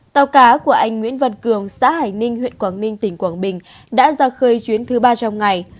tàu cá của anh nguyễn văn cường xã hải ninh huyện quảng ninh tỉnh quảng bình đã ra khơi chuyến thứ ba trong ngày